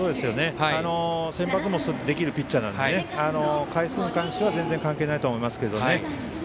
先発もできるピッチャーなので回数に関しては全然関係ないと思うんですが。